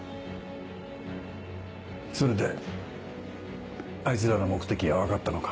それであいつらの目的は分かったのか？